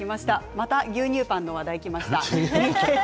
また牛乳パンの話題がきました。